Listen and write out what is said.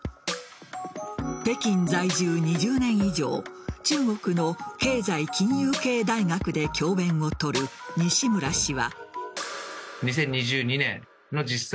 北京在住２０年以上中国の経済金融系大学で教鞭を執る西村氏は。